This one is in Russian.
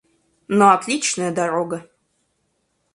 Но отличная дорога.